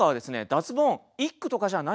脱ボン１句とかじゃないんです。